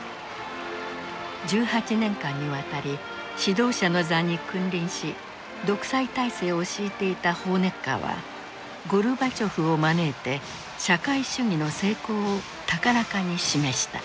１８年間にわたり指導者の座に君臨し独裁体制を敷いていたホーネッカーはゴルバチョフを招いて社会主義の成功を高らかに示した。